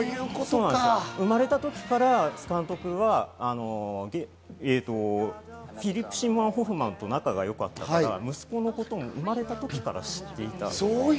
生まれた時から監督は、フィリップ・シーモア・ホフマンと仲がよかったから、息子の事も生まれた時から知っていたんです。